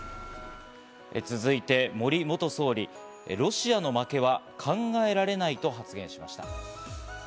続いて森元総理、ロシアの負けは考えられないと発言しました。